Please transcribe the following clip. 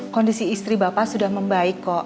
kondisi istri bapak sudah membaik kok